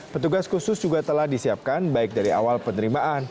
petugas khusus juga telah disiapkan baik dari awal penerimaan